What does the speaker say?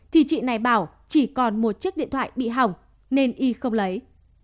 thì chị này bảo chỉ còn một chiếc điện thoại bị hỏng nên y không lấy